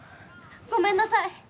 ごめんなさい！